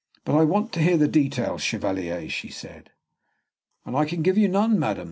"But I want to hear the details, Chevalier," said she. "And I can give you none, madam.